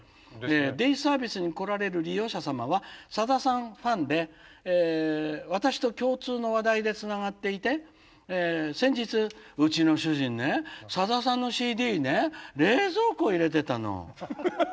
「デイサービスに来られる利用者様はさださんファンで私と共通の話題でつながっていて先日『うちの主人ねさださんのＣＤね冷蔵庫入れてたの』と２人で大笑いしました。